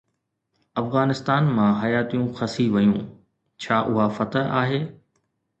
افغانستان مان حياتيون کسي ويون، ڇا اها فتح آهي؟